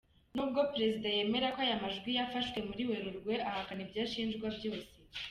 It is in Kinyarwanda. Nubwo perezida yemera ko aya majwi yafashwe muri Werurwe, ahakana ibyo ashinjwa byose.